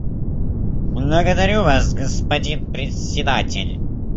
Благодарю Вас, господин Председатель.